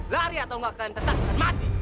lari atau nggak kalian tetap akan mati